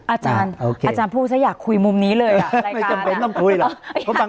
อาจารย์อาจารย์พูดซะอยากคุยมุมนี้เลยอ่ะไม่จำเป็นต้องคุยหรอก